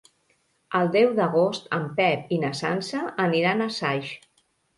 El deu d'agost en Pep i na Sança aniran a Saix.